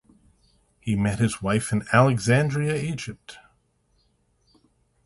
He met his wife in Alexandria, Egypt.